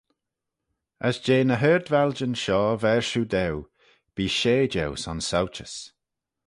As jeh ny ard-valjyn shoh ver shiu daue, bee shey jeu son sauchys.